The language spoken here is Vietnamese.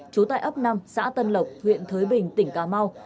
trú tại ấp năm xã tân lộc huyện thới bình tỉnh cà mau